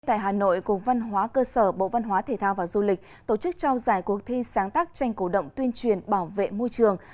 tại hà nội cục văn hóa cơ sở bộ văn hóa thể thao và du lịch tổ chức trao giải cuộc thi sáng tác tranh cổ động tuyên truyền bảo vệ môi trường